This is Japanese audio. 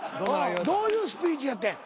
どういうスピーチやってん。